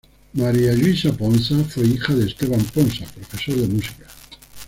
Maria Lluïsa Ponsa fue hija de Esteban Ponsa, profesor de música.